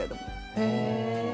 へえ。